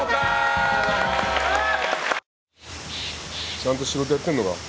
ちゃんと仕事やってんのか？